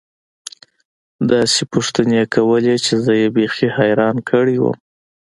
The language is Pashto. داسې پوښتنې يې کولې چې زه يې بيخي حيران کړى وم.